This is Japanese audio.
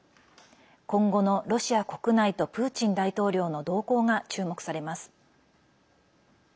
今後のロシア国内とプーチン大統領の動向が注目されます。